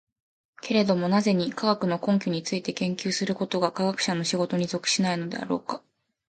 けれども何故に、科学の根拠について研究することが科学者の仕事に属しないのであろうか。